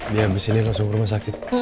dia habis ini langsung ke rumah sakit